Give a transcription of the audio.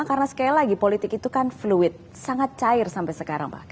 karena sekali lagi politik itu kan fluid sangat cair sampai sekarang pak